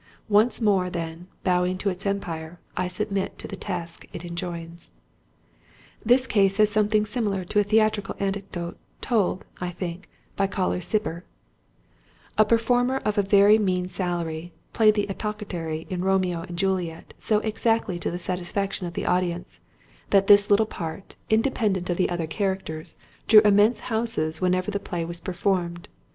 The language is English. Once more, then, bowing to its empire, I submit to the task it enjoins. This case has something similar to a theatrical anecdote told (I think) by Colly Cibber: "A performer of a very mean salary, played the Apothecary in Romeo and Juliet so exactly to the satisfaction of the audience, that this little part, independent of the other characters, drew immense houses whenever the play was performed.